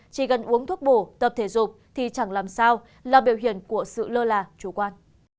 chỉ cần uống thuốc bổ tập thể dục thì chẳng làm sao là biểu hiện của sự lơ là chủ quan